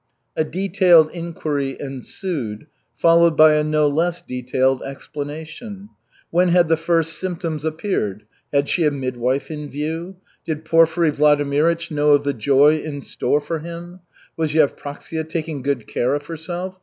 A detailed inquiry ensued, followed by a no less detailed explanation. When had the first symptoms appeared? Had she a midwife in view? Did Porfiry Vladimirych know of the joy in store for him? Was Yevpraksia taking good care of herself?